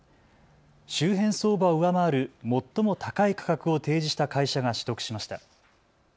周辺相場を上回る最も高い価格を提示した会社が取得しました。